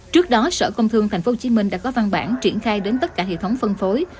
trước đó sở công thương tp hcm đã có văn bản triển khai đến tất cả hệ thống phân phối